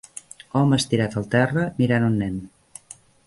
home estirat al terra mirant un nen.